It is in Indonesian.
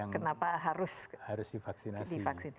kenapa harus divaksinasi